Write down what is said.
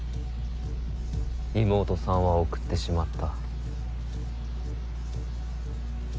妹さんは送ってしまった。